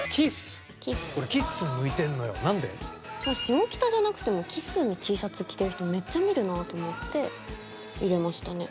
下北じゃなくてもキッスのＴシャツ着てる人めっちゃ見るなと思って入れましたね。